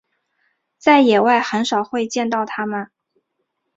在野外很少会见到它们。